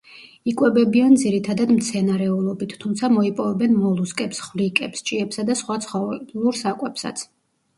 იკვებებიან ძირითადად მცენარეულობით, თუმცა მოიპოვებენ მოლუსკებს, ხვლიკებს, ჭიებსა და სხვა ცხოველურ საკვებსაც.